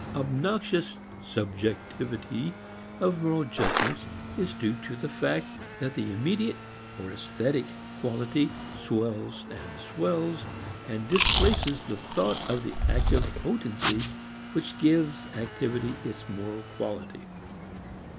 Obnoxious "subjectivity" of moral judgment is due to the fact that the immediate or esthetic quality swells and swells and displaces the thought of the active potency which gives activity its moral quality.